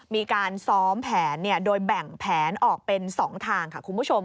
มีการซ้อมแผนโดยแบ่งแผนออกเป็น๒ทางค่ะคุณผู้ชม